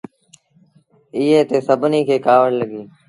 ايئي تي سڀنيٚ کي ڪآوڙ لڳيٚ۔